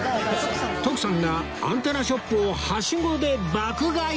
徳さんがアンテナショップをはしごで爆買い